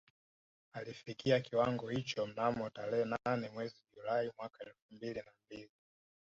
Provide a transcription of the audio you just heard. Alifikia kiwango hicho mnamo tarehe nane mwezi Julai mwaka elfu mbili na mbili